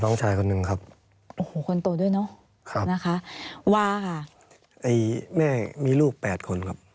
แล้วแฮมล่ะครับ